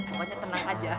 pokoknya tenang aja